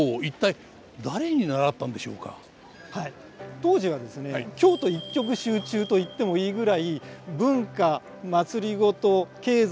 当時はですね京都一極集中と言ってもいいぐらい文化まつりごと経済